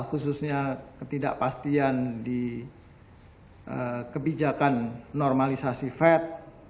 khususnya ketidakpastian di kebijakan normalisasi fed